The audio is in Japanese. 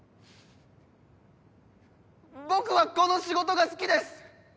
僕はこの仕事が好きです！